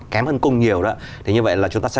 kém hơn cùng nhiều đó thì như vậy là chúng ta sẽ